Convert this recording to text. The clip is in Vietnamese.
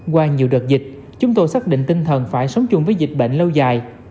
qua nhiều đợt dịch chúng tôi xác định tinh thần phải sống chung với dịch bệnh lâu dài